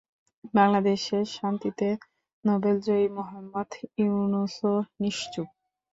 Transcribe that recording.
বাংলাদেশের শান্তিতে নোবেলজয়ী মুহাম্মদ ইউনূসও নিশ্চুপ।